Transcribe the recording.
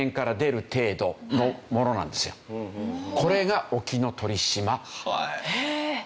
これが沖ノ鳥島。